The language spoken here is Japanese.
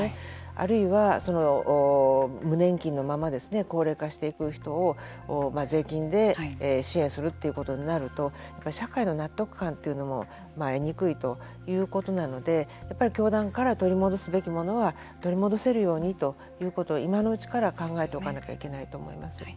あるいは、無年金のまま高齢化していく人を税金で支援するということになると社会の納得感というのも得にくいということなのでやっぱり教団から取り戻すべきものは取り戻せるようにということを今のうちから考えておかないといけないと思います。